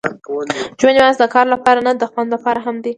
ژوند یوازې د کار لپاره نه، د خوند لپاره هم دی.